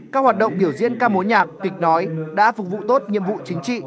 các hoạt động biểu diễn ca mối nhạc kịch nói đã phục vụ tốt nhiệm vụ chính trị